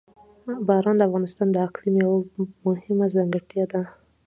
باران د افغانستان د اقلیم یوه مهمه ځانګړتیا ده.